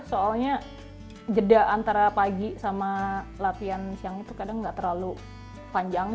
soalnya jeda antara pagi sama latihan siang itu kadang nggak terlalu panjang